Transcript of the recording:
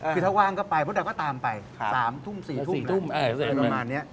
คือถ้าว่างก็ไปมดดำก็ตามไป๓ทุ่ม๔ทุ่มแบบนี้